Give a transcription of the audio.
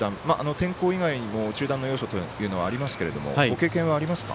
天候以外にも中断の要素というのはありますがご経験はありますか？